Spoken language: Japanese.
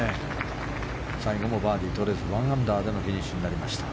最後もバーディーとれず１アンダーでフィニッシュとなりました。